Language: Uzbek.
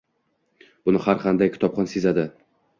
Buni har qanday kitobxon sezadi.